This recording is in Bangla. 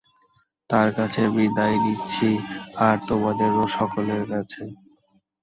তার কাছে বিদায় নিচ্ছি, আর তোমাদেরও সকলের কাছে।